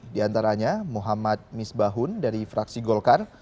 di antaranya muhammad misbahun dari fraksi golkar